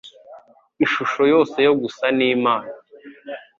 ishusho yose yo gusa n'Imana.